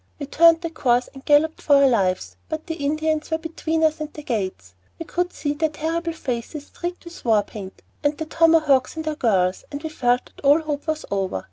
We turned of course and galloped for our lives, but the Indians were between us and the gates. We could see their terrible faces streaked with war paint, and the tomahawks at their girdles, and we felt that all hope was over.